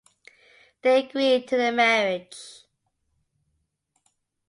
They agree to their marriage.